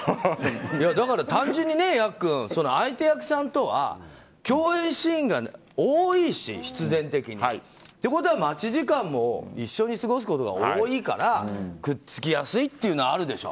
だから、単純にね、ヤックン相手役さんとは共演シーンが多いし、必然的に。ってことは、待ち時間も一緒に過ごすことが多いからくっつきやすいっていうのはあるでしょ？